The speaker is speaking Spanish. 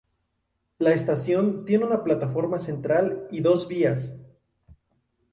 La estación tiene una plataforma central y dos vías.